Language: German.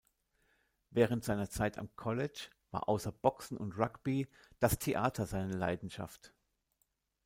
Während seiner Zeit am College war außer Boxen und Rugby das Theater seine Leidenschaft.